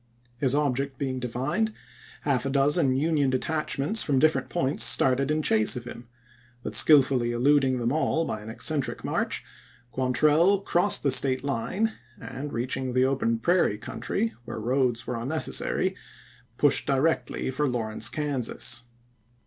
His object is^ being divined, half a dozen Union detachments from different points started in chase of him ; but skillfully eluding them all by an eccentric march, Quantrell crossed the State line, and, reaching the open prairie country, where roads were unnecessary, pushed directly for Lawrence, Kansas.